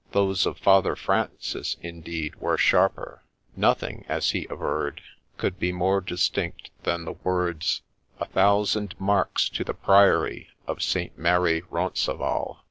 Those of Father Francis, indeed, were sharper ; nothing, as he averred, could be more distinct than the words, ' A thousand marks to the priory of St. Mary Rouncival.'